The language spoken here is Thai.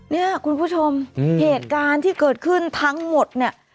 เนี่ยคุณผู้ชมเหตุการณ์ที่เกิดขึ้นทั้งหมดเนี่ย